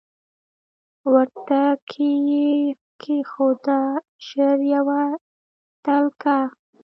ورته کښې یې ښوده ژر یوه تلکه